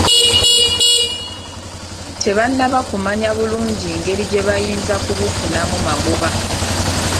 Tebannaba kumanya bulungi ngeri gye bayinza kubufunamu magoba.